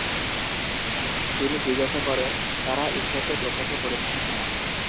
তিনি জিজ্ঞাসা করেন, তারা ঈশ্বরকে প্রত্যক্ষ করেছেন কিনা।